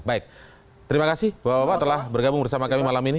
baik terima kasih bapak bapak telah bergabung bersama kami malam ini